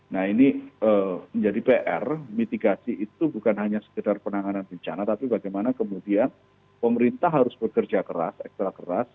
nah ini menjadi pr mitigasi itu bukan hanya sekedar penanganan bencana tapi bagaimana kemudian pemerintah harus bekerja keras ekstra keras